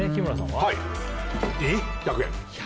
はい１００円